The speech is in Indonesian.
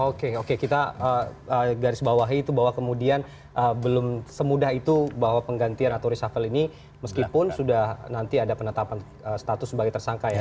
oke oke kita garis bawahi itu bahwa kemudian belum semudah itu bahwa penggantian atau reshuffle ini meskipun sudah nanti ada penetapan status sebagai tersangka ya